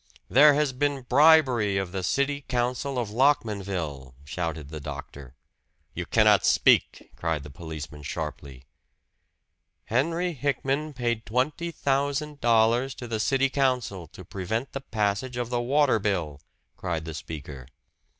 "There has been bribery of the city council of Lockmanville," shouted the doctor. "You cannot speak!" cried the policeman sharply. "Henry Hickman paid twenty thousand dollars to the city council to prevent the passage of the water bill!" cried the speaker.